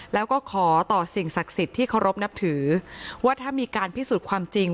แล้วก็ขอต่อสิ่งศักดิ์สิทธิ์ที่เคารพนับถือว่าถ้ามีการพิสูจน์ความจริง